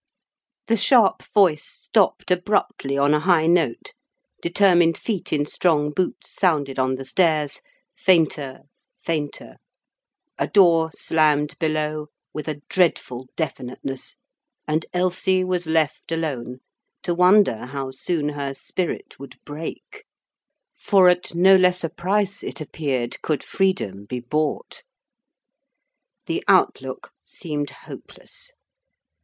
The sharp voice stopped abruptly on a high note; determined feet in strong boots sounded on the stairs fainter, fainter; a door slammed below with a dreadful definiteness, and Elsie was left alone, to wonder how soon her spirit would break for at no less a price, it appeared, could freedom be bought. The outlook seemed hopeless.